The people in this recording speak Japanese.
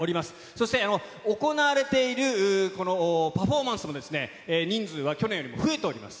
そして、行われているこのパフォーマンスも人数は去年よりも増えております。